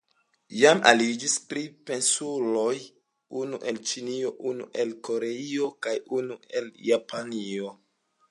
Jam aliĝis tri pensiuloj: unu el Ĉinio, unu el Koreio kaj unu el Japanio.